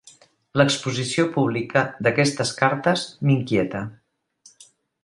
L'exposició pública d'aquestes cartes m'inquieta.